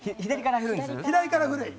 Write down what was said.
左から古い。